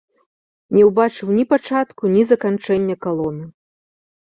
Не ўбачыў ні пачатку, ні заканчэння калоны.